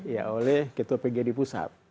ya oleh ketua pgri pusat